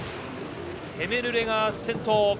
ヘメルレが先頭。